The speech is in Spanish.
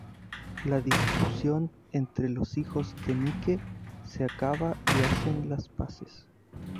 La discusión entre los hijos de Mike se acaba y hacen las paces.